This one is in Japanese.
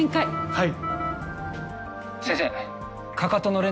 はい。